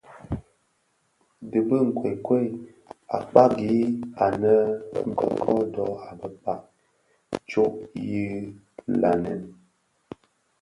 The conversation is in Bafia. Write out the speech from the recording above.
Dhi bi nkokwei a kpagianë bi kodo a bekpag tsok yi landen.